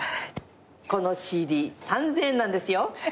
「このＣＤ３，０００円なんですよ」